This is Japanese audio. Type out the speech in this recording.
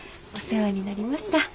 お世話になりました。